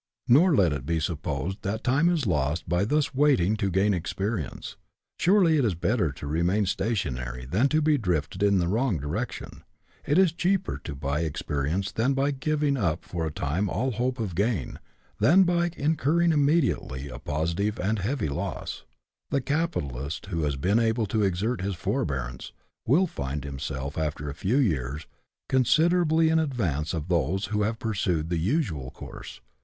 Nor let it be supposed that time is lost by thus waiting to gain experience. Surely it is better to remain stationary than to be drifted in the wrong direction. It is cheaper to buy ex perience by giving up for a time all hope of gain, than by incurring immediately a positive and heavy loss. The capitalist who has been able to exert this forbearance, will find himself, after a few years, considerably in advance of those who have pursued the usual course.